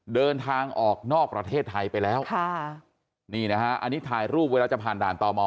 เดินทางออกนอกประเทศไทยไปแล้วค่ะนี่นะฮะอันนี้ถ่ายรูปเวลาจะผ่านด่านต่อมอ